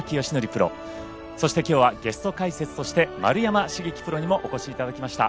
プロそしてきょうはゲスト解説として丸山茂樹プロにもお越しいただきました